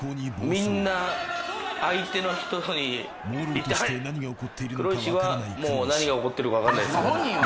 みんな相手の人に「もうろうとして何が起こっているか分からない黒石」